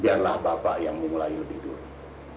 biarlah bapak yang memulai lebih dulu